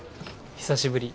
久しぶり。